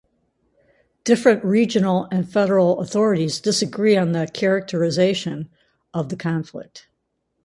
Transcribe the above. Different regional and federal authorities disagree on the characterisation of the conflict.